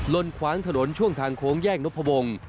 นขวางถนนช่วงทางโค้งแยกนพวง